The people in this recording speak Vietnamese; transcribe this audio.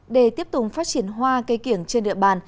để tiếp tục phát triển hoa cây kiểng trên địa bàn